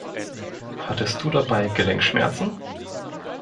Hattest du dabei Gelenkschmerzen?